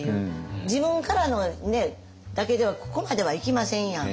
自分からのねだけではここまではいきませんやん。